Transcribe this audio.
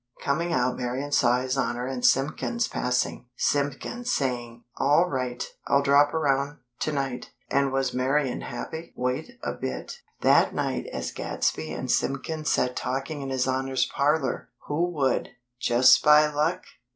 Coming out Marian saw His Honor and Simpkins passing; Simpkins saying: "All right. I'll drop around, tonight." And was Marian happy? Wait a bit. That night as Gadsby and Simpkins sat talking in His Honor's parlor, who would, "just by luck